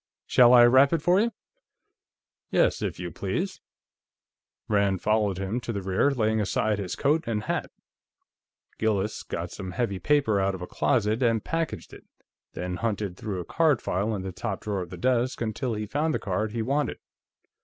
"Shall I wrap it for you?" "Yes, if you please." Rand followed him to the rear, laying aside his coat and hat. Gillis got some heavy paper out of a closet and packaged it, then hunted through a card file in the top drawer of the desk, until he found the card he wanted.